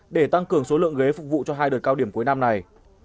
để tăng cường số lượng ghế phục vụ cho hai đợt cao điểm cuối năm này